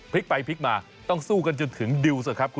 พลิกไปพลิกมาต้องสู้กันถึงดิว